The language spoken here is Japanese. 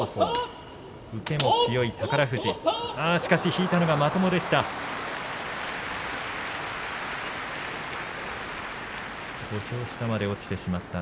引いたのがまともでした。